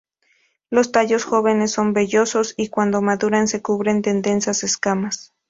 Los tallos jóvenes son vellosos y cuando maduran se cubren de densas escamas.